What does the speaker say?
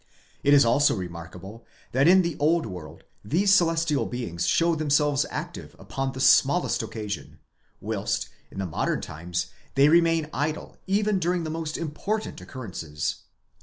® It is also remarkable that in the old world these celestial beings show themselves active upon the smallest occasions, whilst in modern times they remain idle even during the most important occurrences.